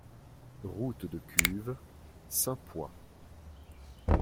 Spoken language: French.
Route de Cuves, Saint-Pois